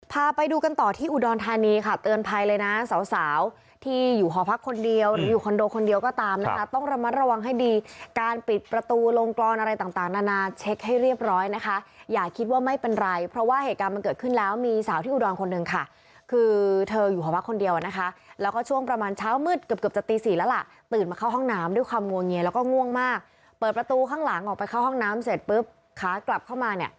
พาไปดูกันต่อที่อุดรธานีค่ะเตือนภัยเลยนะสาวที่อยู่หอพักคนเดียวอยู่คอนโดคนเดียวก็ตามนะครับต้องระมัดระวังให้ดีการปิดประตูลงกรอนอะไรต่างนานาเช็คให้เรียบร้อยนะคะอย่าคิดว่าไม่เป็นไรเพราะว่าเหตุการณ์มันเกิดขึ้นแล้วมีสาวที่อุดรคนหนึ่งค่ะคือเธออยู่หอพักคนเดียวนะคะแล้วก็ช่วงประมาณเช้ามืดเกื